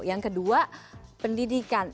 yang kedua pendidikan